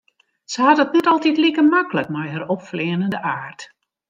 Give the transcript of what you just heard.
Se hat it net altyd like maklik mei har opfleanende aard.